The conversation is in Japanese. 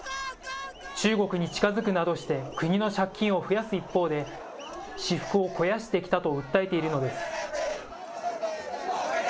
中国に近づくなどして国の借金を増やす一方で、私腹を肥やしてきたと訴えているのです。